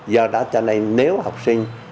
do đó cho nên nếu học sinh